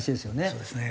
そうですね。